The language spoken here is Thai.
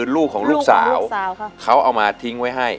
ลูกของลูกสาวเขาเอามาทิ้งไว้ให้